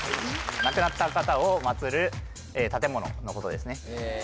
亡くなった方を祀る建物のことですね